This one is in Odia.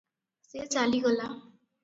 ସେ ଚାଲିଗଲା ।